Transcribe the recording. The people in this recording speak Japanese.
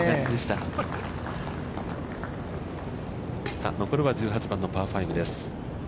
さあ、残るは１８番のパー５です。